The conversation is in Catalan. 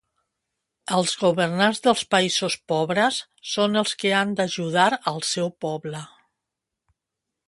Els governants dels països pobres són els que han de ajudar al seu poble